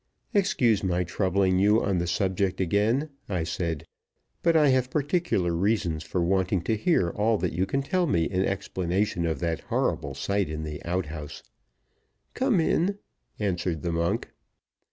"Excuse my troubling you on the subject again," I said, "but I have particular reasons for wanting to hear all that you can tell me in explanation of that horrible sight in the outhouse." "Come in," answered the monk.